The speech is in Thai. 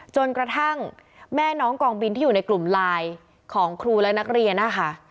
จนกระทั่งแม่น้องกองบินที่อยู่ในกลุ่มไลน์ของครูและนักเรียนนะคะ